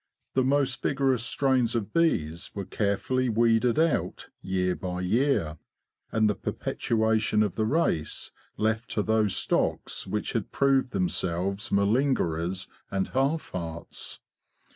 The most vigorous strains of bees were carefully weeded out QO 209 210 THE BEE MASTER OF WARRILOW year by year, and the perpetuation of the race left to those stocks which had proved themselves malingerers and half hearts.